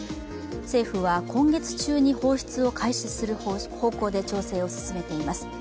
政府は今月中に放出を開始する方向で調整を進めています。